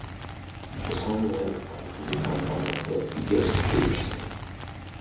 The song went on to become one of their biggest hits.